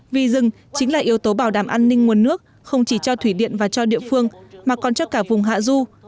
vì rừng chính là yếu tố bảo đảm an ninh nguồn nước không chỉ cho thủy điện và cho địa phương mà còn cho cả vùng hạ du